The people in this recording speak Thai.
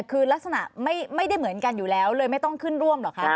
คือลักษณะไม่ได้เหมือนกันอยู่แล้วเลยไม่ต้องขึ้นร่วมเหรอคะ